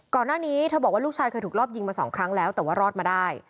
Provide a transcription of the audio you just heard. ก่อนหน้านี้เธอบอกว่าลูกชายเคยถูกรอบยิงมาสองครั้งแล้วแต่ว่ารอดมาได้